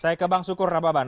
saya ke bang sukur nababan